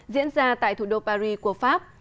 diễn ra tại thủ đô paris của pháp